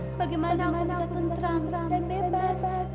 bagaimana aku bisa tuntram dan bebas